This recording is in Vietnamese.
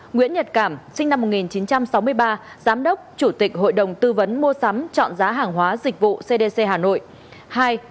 nguyễn nhật cảm sinh năm một nghìn chín trăm sáu mươi ba giám đốc chủ tịch hội đồng tư vấn mua sắm chọn giá hàng hóa dịch vụ cdc hà nội